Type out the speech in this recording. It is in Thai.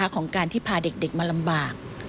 ของการที่พาเด็กมาลำบาก